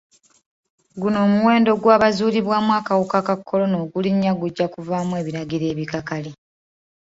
Guno omuwendo gw'abazuulibwamu akawuka ka kolona ogulinnya gujja kuvaamu ebiragiro ebikakali.